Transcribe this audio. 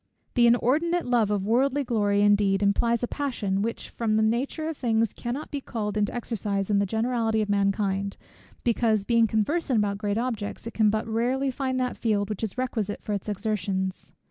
The inordinate love of worldly glory indeed, implies a passion, which from the nature of things cannot be called into exercise in the generality of mankind, because, being conversant about great objects, it can but rarely find that field which is requisite for its exertions.